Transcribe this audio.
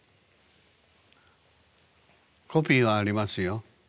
コピーはありますよ。